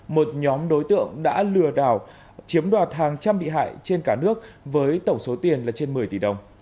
một nhóm đối tượng đã lừa đảo chiếm đoạt hàng trăm bị hại trên cả nước với tổng số tiền là trên một mươi tỷ đồng